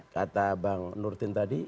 kata bang nurdin tadi